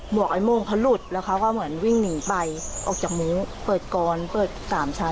หมวกไอโมงเค้าหลุดและเค้าก็เหมือนวิ่งหนีไปออกจากโม๊คเปิดกรอนเปิด๓ชั้น